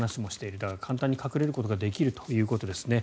だから簡単に隠れることができるということですね。